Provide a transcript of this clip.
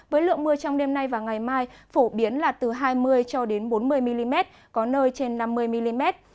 với lượng mưa trong đêm nay và ngày mai phổ biến là từ hai mươi cho đến bốn mươi mm có nơi trên năm mươi mm